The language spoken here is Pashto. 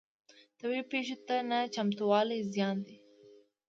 طبیعي پیښو ته نه چمتووالی زیان دی.